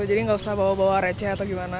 jadi enggak usah bawa bawa receh atau gimana gitu